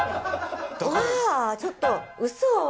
わぁちょっとウソ。